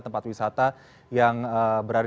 tempat wisata yang berada